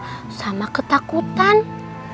aku tuh bisa ngeliat kalau opa ustadz itu lagi kesepian ya